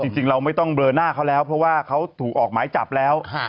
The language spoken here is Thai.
จริงเราไม่ต้องเบลอหน้าเขาแล้วเพราะว่าเขาถูกออกหมายจับแล้ว